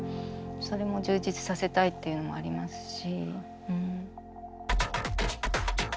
それも充実させたいっていうのもありますし。